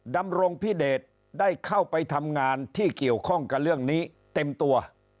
ดำรงพิเดชได้เข้าไปทำงานที่เกี่ยวข้องกับเรื่องนี้เต็มตัว